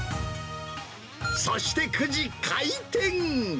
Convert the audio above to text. そして９時開店。